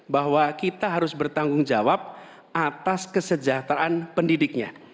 bahwa kita harus bertanggung jawab atas kesejahteraan pendidiknya